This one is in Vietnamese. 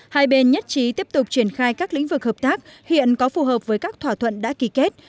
hai bên nhất trí tiếp tục triển khai các lĩnh vực hợp tác hiện có phù hợp với các thỏa thuận đã ký kết